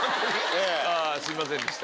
あすいませんでした。